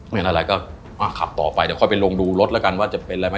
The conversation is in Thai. เป็นอะไรก็ขับต่อไปเดี๋ยวค่อยไปลงดูรถแล้วกันว่าจะเป็นอะไรไหม